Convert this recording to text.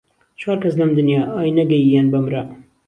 چوار کهس لهم دنیا، ئای نهگهیین به مرا